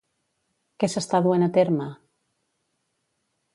Què s'està duent a terme?